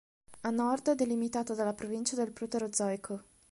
A nord è delimitato dalla provincia del Proterozoico.